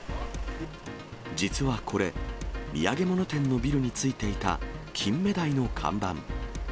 実はこれ、土産物店のビルについていたキンメダイの看板。